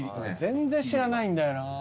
全然知らないんだよな。